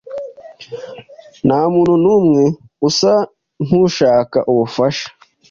Nta muntu numwe usa nkushaka ubufasha.